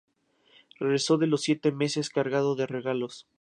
Regresó a los siete meses cargado de regalos.